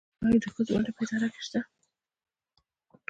آیا د ښځو ونډه په اداره کې شته؟